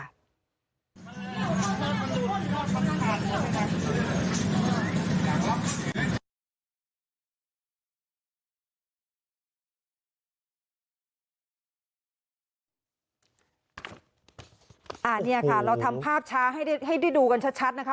นี่ค่ะเราทำภาพช้าให้ได้ดูกันชัดนะคะ